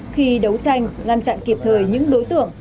khi đấu tranh ngăn chặn kịp thời những đối tượng